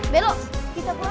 belok kita keluar yuk